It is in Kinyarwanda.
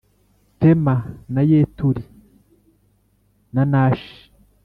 Tema na Yeturi na Na shi